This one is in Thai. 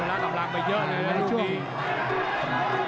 เวลากำลังไปเยอะเลยเลยพลี